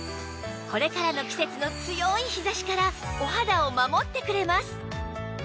これからの季節の強い日差しからお肌を守ってくれます